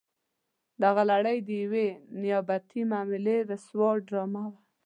دغه لړۍ د یوې نیابتي معاملې رسوا ډرامه وه.